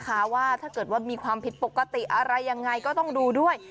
เพราะว่าถ้าเกิดว่ามีความผิดปกติอะไรยังไงก็ต้องดูด้วย